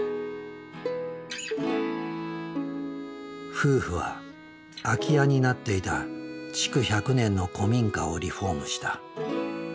夫婦は空き家になっていた築１００年の古民家をリフォームした。